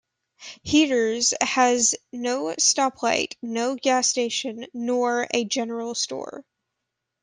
Heaters has no stoplight, no gas station, nor a general store.